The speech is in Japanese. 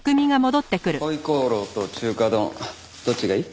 回鍋肉と中華丼どっちがいい？